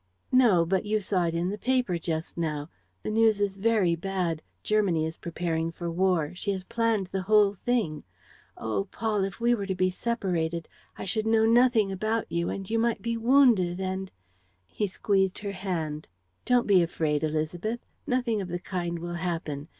"No, but you saw it in the paper just now. The news is very bad. Germany is preparing for war. She has planned the whole thing. ... Oh, Paul, if we were to be separated! ... I should know nothing about you ... and you might be wounded ... and ..." He squeezed her hand: "Don't be afraid, Élisabeth. Nothing of the kind will happen.